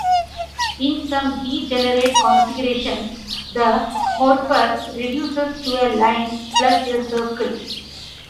In some degenerate configurations, the horopter reduces to a line plus a circle.